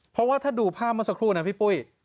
เพราะว่าถ้าดูภาพเมื่อสักครู่นะพี่ปุ้ย